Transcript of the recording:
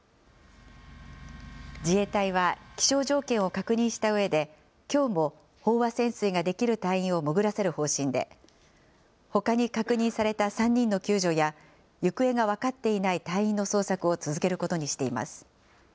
自衛隊は、気象条件を確認したうえで、きょうも飽和潜水ができる隊員を潜らせる方針で、ほかに確認された３人の救助や、行方が分かっていない隊員の捜索を続けることにしています。